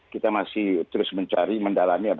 kita masih terus mencari mendalami